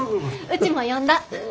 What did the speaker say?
うちも読んだ。